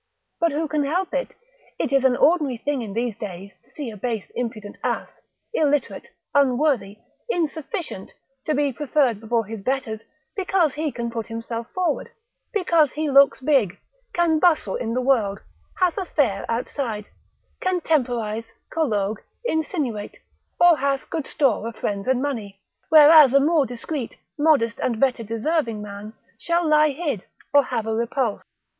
But who can help it? It is an ordinary thing in these days to see a base impudent ass, illiterate, unworthy, insufficient, to be preferred before his betters, because he can put himself forward, because he looks big, can bustle in the world, hath a fair outside, can temporise, collogue, insinuate, or hath good store of friends and money, whereas a more discreet, modest, and better deserving man shall lie hid or have a repulse.